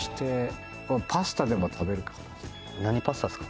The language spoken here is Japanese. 何パスタですか？